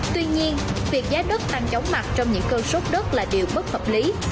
tuy nhiên việc giá đất tăng chóng mặt trong những cơn sốt đất là điều bất hợp lý